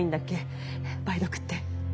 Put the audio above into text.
梅毒って。